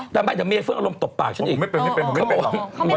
ถามจากครั้วที่แล้วแล้ว